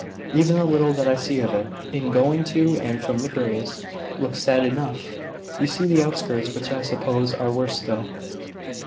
"Even the little that I see of it, in going to and from the Greys, looks sad enough. You see the outskirts, which I suppose are worse still."